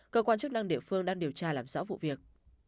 cơ quan chức năng địa phương đang điều tra làm rõ vụ việc